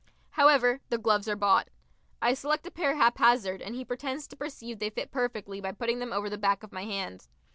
However, the gloves are bought. I select a pair haphazard, and he pretends to perceive they fit perfectly by putting them over the back of my hand.